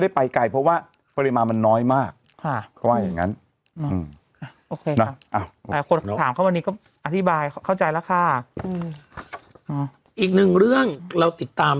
อีกหนึ่งเรื่องเราติดตาม